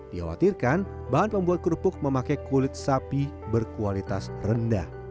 dikhawatirkan bahan pembuat kelupuk memakai kulit sapi berkualitas rendah